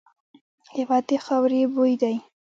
هېواد د خاوري بوی دی.